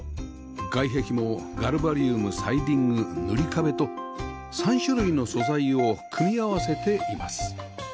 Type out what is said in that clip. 外壁もガルバリウムサイディング塗り壁と３種類の素材を組み合わせています